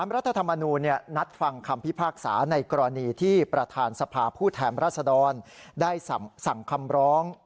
รัฐธรรมนูญนัดฟังคำพิพากษาในกรณีที่ประธานสภาผู้แทนรัศดรได้สั่งคำร้อง